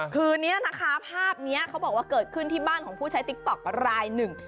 คือนี้นะคะภาพนี้เขาบอกว่าเกิดขึ้นที่บ้านของผู้ใช้ติ๊กต๊อกรายหนึ่ง